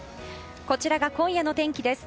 こちらが今夜の天気です。